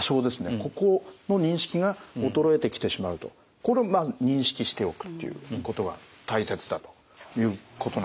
ここの認識が衰えてきてしまうとこれをまあ認識しておくということが大切だということなんですねはい。